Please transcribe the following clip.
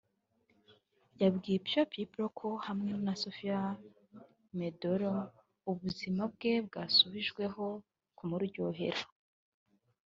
yabwiye Pure People ko hamwe na Sofia de Medeiros ubuzima bwe bwarushijeho kumuryohera